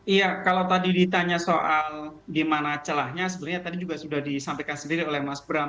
iya kalau tadi ditanya soal di mana celahnya sebenarnya tadi juga sudah disampaikan sendiri oleh mas bram